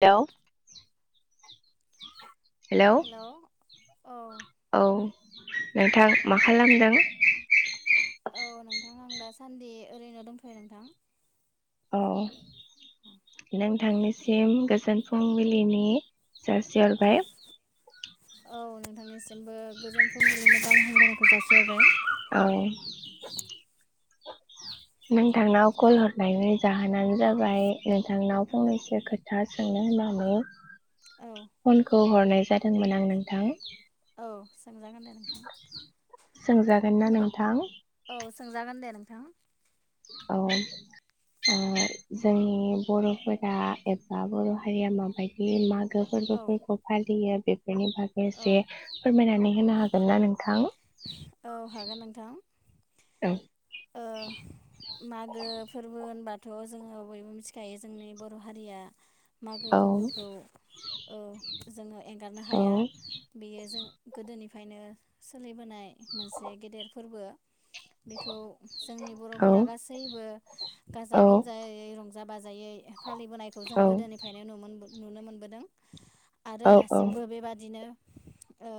Hello hello औ औ नोंथां मा खालामदों? औ नोंथां आं दा सान्दि ओरैनो दंथ'यो नोंथां। औ। नों नोंथांनिसिम गोजोन फुंबिलिनि औ जासिहरबाय। औ नोंथांनिसि बो गोजोन फुंबिलिनि गाहाम हामलायनाय जासि हरबाय। औ। नोंथांनाव कल हरनायनि जाहोनानो जाबाय नोंथांनाव औ फंनैसो खोथा सोंनो होननानै औ फनखौ हरनाय जादोंमोन आं नोंथां। औ सोंजागोन दे नोंथां। सोंजागोन ना नोंथां? औ सोंजागोन दे नोंथां। औ जोंनि अ बर'फोरा एबा बर' हारिया माबायदि मा गोगो औ फोरोरबोफोरखौ फालियो। बेनि बागै औ एसे फोरमायनानै होनो हागोन ना नोंथां? औ हागोन नोंथां औ ओ मागो फोरबो होनबाथ थ' जोङो बयबो मिथिखायो जोंनि बर' हारिया मागो औ फोरबोखौ औ। जोङो एंगारनो औ हाया बेयो जों गोदोनिफ्रायनो सोलिबोनाय मोनसे गेदेर फोरबो। बेखौ जोंनि औ बर'फोरा गासैबो गाजा गोमजायै रंजा जाबा जायै फालिबोनायखौ जों गोदोनिफ्रायनो नुनो मोनबो नुनो मोनबोदों। आरो दासिमबो बेबादिनो ओ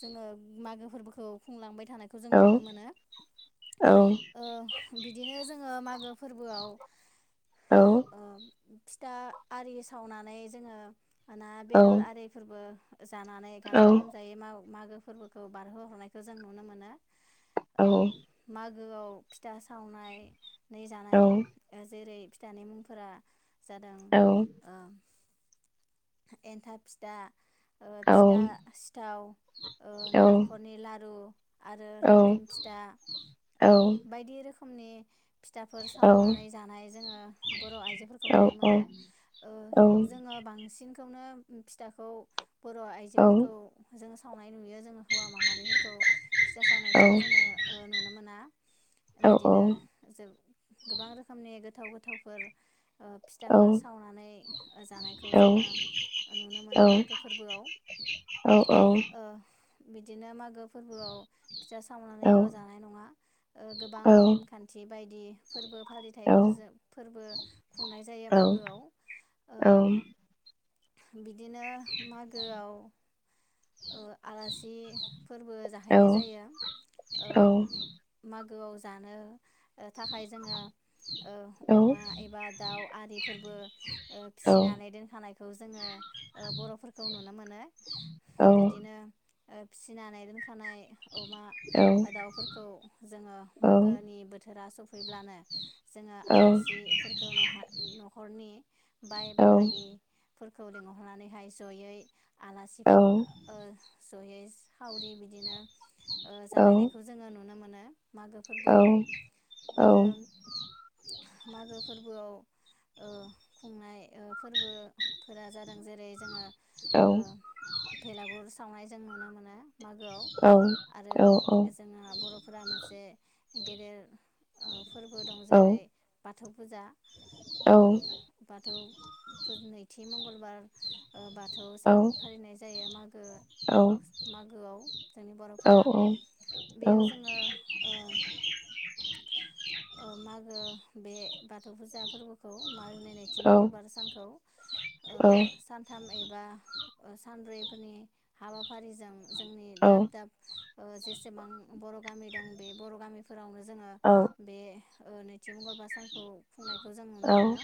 जोङो मागोफोरबो औ बुंलांबायथ थानायखौ जों नुनो मोनो ओ बिदिनो जोङो माग फोरबोआव अ फिथा आरि सावनानै जोङो ना बेदर आरिफोरबो जानानै गाजा गोमजायै माव मागो फोरबोखौ बारहोहरनाय गो जों नुनो मोनो। ओ माग गोआव फिथा सावनाय नै जानाय ओ जेरै फिथानि मुंफोरा जादों ओ एन्थाब फिथा ओ फिथा सिथाव ओ नालेंखलनि लाद आरो लावदुम फिथा ओ बायदि रोखो खोमनि फिथाफोर सावनानै जानाय जोङो बर' आइजोफोरखौ नुनो मोनो ओ जोङो बांसिन खौनो फिथाखौ बर' आइजोफोरखौ जों सावनाय नुयो जो हौवा मा खौ फिथा सावनायखौ जोङो ओ नुनो मोना बिदिनो जों गोबां रोखोमनि गो गोथाव गोथावफोर ओ फिथाफोर सावनानै जानायखौ जोङो नुनो मोनो मागो फोरबोआव ओ बिदिनो मागो फोरबोआव फिथा सावनानैल' जानाय नङा ओ गोबां नेमखान्थि बायदि फोरबो फालिथायाइफोरजों फोरबो खुंनाय जायो मागोआव ओ बिद दिनो मागोआव ओ आलासि फोरबो जाहैनाय जायो औ माग गोआव जानो ओ थाखाय जोङो ओ अमा एबा दाउ आरिफोरबो ओ फिसिनानै दोनखानायखौ जोङो ओ बर'फोरखौ नुनो मोनो। बिदिनो ओ फिसिनानै दोनखानाय अमा दाउफोरखौ जोङो मागोनि बोथोरा सफ फैब्लानो जोंङो आलासिफोरखौ न'हा न'खरनि बाय बाहागि फोरखौ लिंहरनानैहाय जयै आलासिफु ओ सहेस सावरि बिदिनो ओ जालायनायखौ जोंङो नुनो मोन नो। मागो फोरबोआव ओरो मागो फोरबोआव ओ खुंनाय ओ फोरबोफोरा जादों जेरै जोंङो औ भेलागुर सावनाय जों नुनो मोनो। मागोआव औ आरो जोंहा बर'फोरा मोनसे गेदेर ओ फोरबो दं जेरै बाथ थौ फुजा औ बाथौ फोज नै थि मंगलबार ओ बाथौ सान फालिनाय जायो मागो ओस मागोआव जोंनि बर'फोरा बेयो जोंङो ओ ओ मागो बे बाथौ फुजा फोरबोखौ मारनि नैथि मंगलबार सानखौ ओ सानथामै बा ओ सानब्रैफोरनि हाबाफारिजों जोंनि दाब दाब ओ जेसेबां बर' गामि दं बे बर' गामि फोरावनो जोंङो बे ओ नैथि मंगलबार सान खौ खुंनायखौ जों नुनो मोनो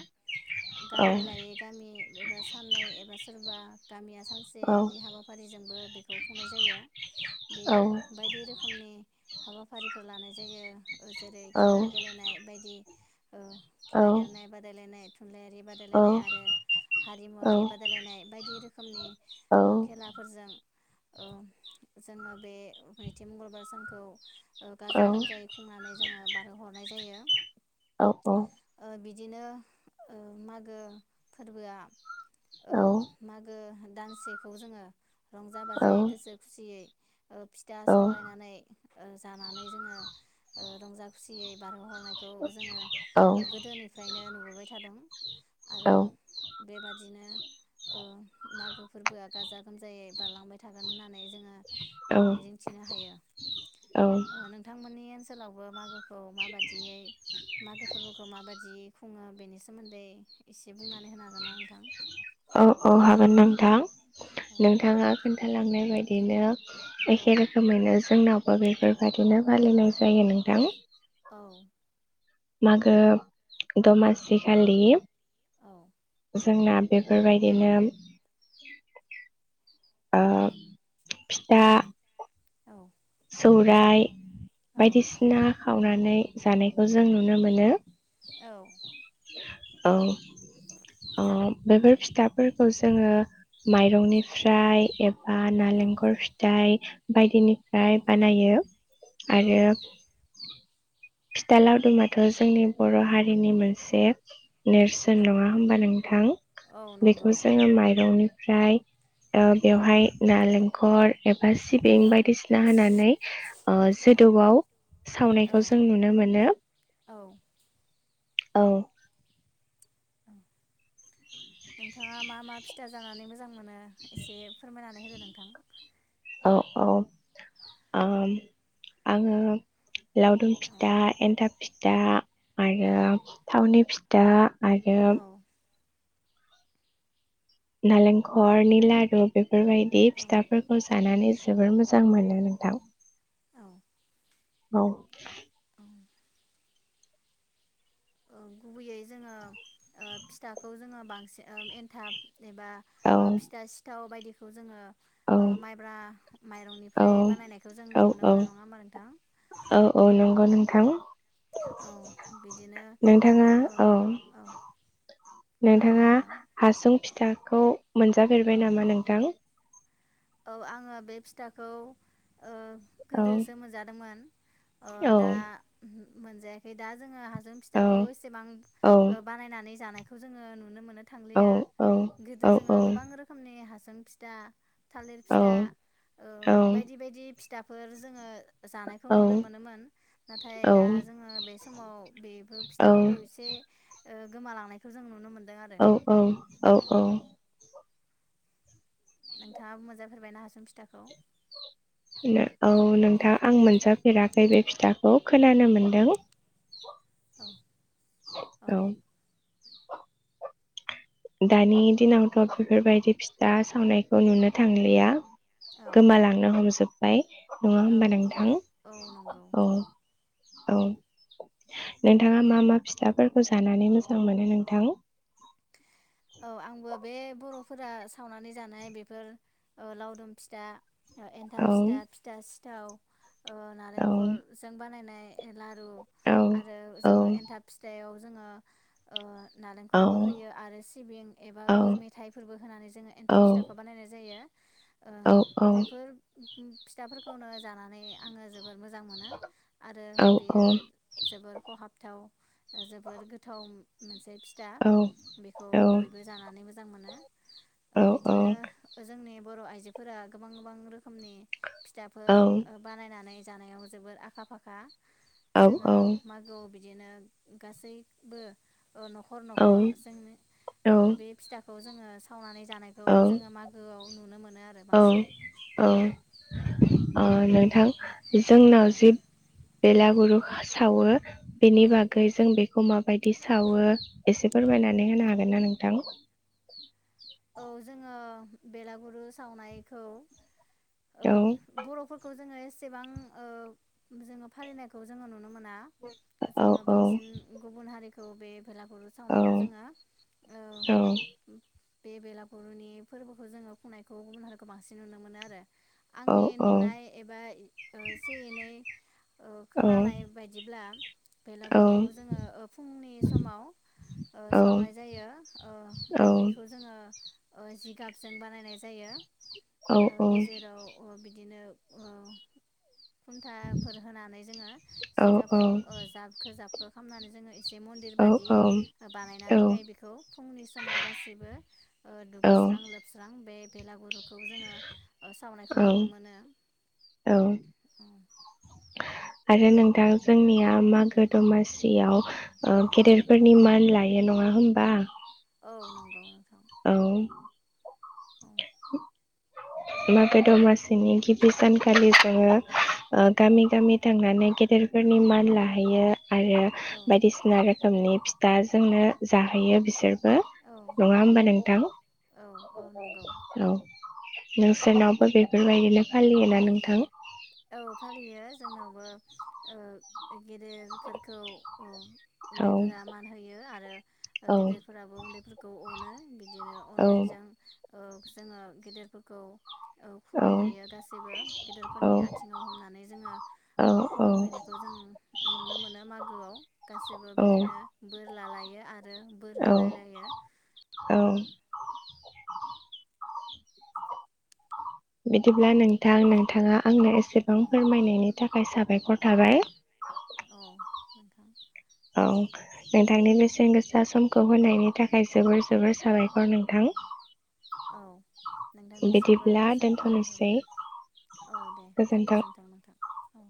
गामि लायै गामि एबा साननै एबा सोरबा गामिया फांसेनि हाबाफारि जोंबो बेखौ खुंनाय जायो। बेयाव बायदि रोखोमनि हाबाफारिफोर लानाय जायो ओ जेरै खेला गेलेनाय बायदि औ खेला गेलेनाय बादायलायनाय थुनलाइयारि बादायलायनाय आरो हारिमुवारि बादायलायनाय बायदि रोखोम [inaudible] खेलाफोरजों ओ जोङो बे नैथि मंगलबार सानखौ गाजा गोमजायै खुंनानै जोङो हरनाय जायो। औ औ ओ बिदिनो ओ मागो फोरबोआ औ मागो दानसेखौ जोङो रंजा बाजायै गोसो खुसियै फिथा सावलायनानै जानानै जोङो रंजा खुसियै बारहोह जोङो गोदोनिफ्रायनो खुंबोबाय थादों। आरो बेबादिनो ओ मागो फोरबोआ गाजा गोमजायै बारलांबाय थागोन होननानै जोङो मिजिंथिनो हायो नोंथांमोनि ओनसोलावबो मागो माबायदियै मागो फोरबोखौ माबायदियै खुङो बेनि सोमोन्दै एसे बुंनानै होनो हागोन ना नोंथां? औ औ हागोन नोंथां औ नोंथाङा खिथालांनाय बायदिनो एखे औ रोखोमैनो जोंनावबो बेफोरबायदिनो फालिनाय जायो नोंथां। औ मागो दमासि खालि औ जोंना बेफोरबायदिनो ओ फिथा औ सौराइ औ बायदिसिना सावनानै जानायखौ जों नुनो मोनो। औ [inaudible] औ अ बेफोर फिथाफोरखौ जोङो माइरंनिफ्राय ए बा औ नालेंखर फिथाइ, बायदिनि फ्राय बानायो, औ आरो फिथा लावदुमाथ' जोंनि बर' हारिनि मोनसे। नेरसोन औ नङा होमबा नोंथा?। औ बेखौ नंगौ जोङो माइरंनि फ्राय ओ बेवहाय नालेंखर ए बा सिबिं औ बायदिसि ना होनानै औ जोदौआव औ सावनायखौ जों नुनो मोनो। औ। ओं नोंथाङा मा मा फिथा जानानै मोजां मोनो। एसे फोरमायना नै होदो नोंथां? औ औ ओ आङो लावदुम औ फिथा, एन्थाब फिथा। आरो औ थावनि फि दा। आरो औ नालेंखरनि लादु बेफोरबायदि औ फिथाफोरखौ जानानै जोबोर मोजां मोनो नोंथां। औ औ। औ ओ गुबैयै जोङो ओ फिथाखौ जोङो बांसिन ओ एन्थाब एबा औ ओ फिथा सिथाव बायदि। बेखौ जोङो औ ओ माइब्रा औ माइरंनिफ्राय बानायनायखौ जों औ नुनो औ मोननाय नङा होमबा औ नोंथां औ। नंगौ नोंथां औ बिदिनो औ औ बुंनो हागोन नोंथां। खौ औ मोनजाफेरबाय नामा नोंथां? औ आङो बे फिथाखौ ओ औ गोदोसो मोनजादोंमोन ओ औ दा मोनजायाखै दा जोङो हास औ फिथाखौ एसेबां औ ओ बानायनानै जानाय। खौ जोङो नुनो मोनो। औ थांलिया गोदो औ औ जोंङो गोबां रोखोमनि हास उम फिथा थालिर फिथा औ ओ औ बायदि बायदि फिथाफोर जोङो जानायखौ नुनो मोनोमोन नाथाय दा जोङो बे समाव बेफोर फिथाफोरखौ एसे ओ गोमालांनायखौ जों नुनो मोनो। औ औ औ औ नोंथाङाबो मोनजा फेरबायना हासुं फिथाखौ? नो औ नोंथां। आं औ मोनजाफेराखै बे फिथा। औ खोनानो मोनदों। अ औ दानि दिनावथ' बेफोरबायदि फिथा सावनायखौ नुनो थांलिया। औ गोमालांनो हमजोब बाय नङा औ होमबा नोंथां औ नंगौ। औ औ नोंथाङा मा मा फिथाफोरखौ जानानै मोजां मोनो नोंथां? औ आंबो बे बर'फोरा सावनानै जानाय बेफोर ओ लावदुम फिथा ओ एन्थाब फिथा फिथास दाउ ओ नारेंखलजों बानायनाय एलाद ओ आरो जोङो एन्थाब फिथायाव जोङो ओ नालेंखरबो होयो आरो सि बेन एबा गुर मेथाइफोरबो होनानै जोङो एन्था फिथाखौ बानायनाय जायो। - जायो। ओ बेफोर उम फिथाफोरखौनो जानानै आङो जोब बोर मोजां मोनो आरो बेयो जोबोर खहाबथाव। ओ जोबोर गोथाव मोनसे फिथा बेख बयबो जानानै मोजां मोन ओ बिदिनो जोंनि बर' आयजोफोरा गोबां गोबां रोखोमनि फिथाफोर ओ बानायनानै जानायाव जोबोर आखा फाखा। जोङो मागोआव बि दिनो गासैबो ओ नखर नखर जोंनो ओ बे फिथा खौ जोङो सावनानै जानायखौ जोङो मागोआव नुनो मोनो आरो औ बांसिनै औ ओ नो थां औ जोंनाव जिब बेलागुरु सावो। बेनि औ बागै जों बे खौ माबायदि सावो एसे फोरमायनानै होनो हागोन ना नोंथां? औ जोङो बेलागुरु सावनायखौ ओ औ बर'फोरखौ जोङो ए सेबां ओ जोङो फालिनायखौ जोङो नुनो मोना औ जोङो औ बांसिन गुबुन हारि खौ बे भेलागुरु सावनायखौ जोङो ओ औ बे बेलागुरुनि फोरबोखौ जोङो खुंनायखौ गुबुन हारिखौ बांसिन नुनो मोनो आरो। औ आंनि औ नुनाय एबा ओ एसे एनै ओ औ खोनानाय बायदिब्ला बेलागुरुखौ जोङो ओ फुंनि समाव ओ सावनाय जायो ओ बेख औ जोङो ओ जिगाबजों बानायनाय जायो। ओ औ गेजेराव ओ बिदिनो ओ खुन्थाफोर होनानै जोङो औ जिगाबखौ औ ओ जाबखो जाबखो खामनानै जोङो एसे मन्दिर औ बादि ओ औ बानायनानैहाय बेखौ फुंनि समाव गासै बो ओ औ दुगैस्रां लोबस्रां बे बेलागुर खौ जोङो ओ सावनायखौ औ नुनो मोनो। औ। औ आरो नोंथां जोंनिया औ मागो दमासि याव ओ औ गेदेरफोरनि मान लाय बेयो नङा होनोमबा? औ नंगौ नोंथां। औ। औ [inaudible] मागो दमासिनि गिबि सानखालि जोङो ओ औ गामि गामि थांनानै गेद फोरनि मान औ लाहैयो आरो औ बायदिसिना रोखोमनि फि दा जोंनो जाहैयो बिसोर। ओ औ नङा औ होमबा नोंथां? औ औ नंगौ औ नोंसोरनावबो बेफोरबायदिनो फालियोना नोंथां? औ फालियो जोंनावबो ओ गेदेरफोरखौ अ उन औ औ औ औ जोङो गेदेरफोरखौ औ खुलुमहैयो गासैबो गेदिरफोरनि आथ हनानै जोङो ओ औ खुलुमहैनायखौ जों नुनो मोनो मागोआव गासिबो औ बिदिनो बोर लालायो आर आरो बोर औ होलायलायो औ बिदिब्ला नोंथां नोंथाङा आंनो औ एसेबां फोरमायनायनि थाखाय साबायखर थाबाय। औ [unintelligible] नोंथां [inaudible] औ नोंथांनि बेसेन गोसा समखौ होनायनि थाखाय जोबोर जोबोर साबायखर नोंथां औ नोंथांनिसिमबो बिदिब्ला साबायखर दोनथ'नोसै बावहरबाय औ दे गोजोन्थों नोंथां औ